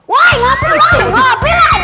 wah ngapain mau kopi lah